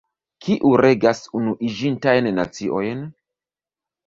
Kiu regas Unuiĝintajn Naciojn?